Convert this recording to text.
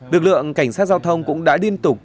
lực lượng cảnh sát giao thông cũng đã liên tục